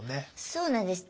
そうなんです。